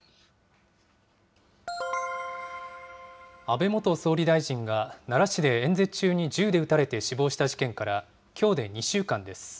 安倍元総理大臣が奈良市で演説中に銃で撃たれて死亡した事件からきょうで２週間です。